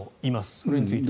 これについては。